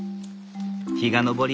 日が昇り